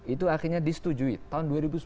itu akhirnya disetujui tahun dua ribu sepuluh